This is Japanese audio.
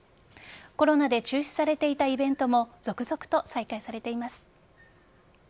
コロナで中止されていたイベントも続々と再開されています。